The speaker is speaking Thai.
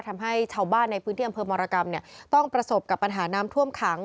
ทำให้ชาวบ้านในพื้นที่อำเภอมรกรรมต้องประสบกับปัญหาน้ำท่วมขัง